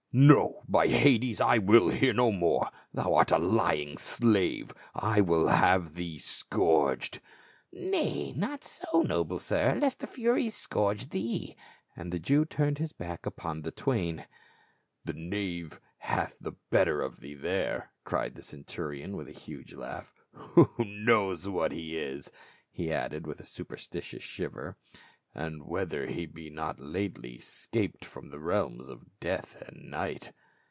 " No, by Hades, I will hear no more ! Thou art a lying slave ; I will have thee scourged." " Nay, not so, noble sir, lest the furies scourge thee," and the Jew turned his back upon the twain. "The knave hath the better of thee there," cried the centurion with a huge laugh. " Who knows what he is?" he added with a superstitious shiver, "and whether he be not lately 'scaped from the realms of death and night."